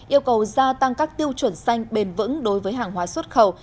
yêu cầu gia tăng các tiêu chuẩn xanh bền vững đối với hàng hóa xuất khẩu